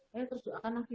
saya terus doakan lagi